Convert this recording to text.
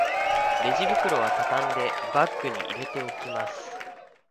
レジ袋はたたんでバッグに入れておきます